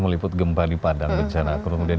meliput gempa di padang bencana kemudian